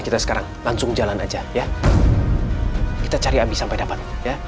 kita cari abi sampai dapat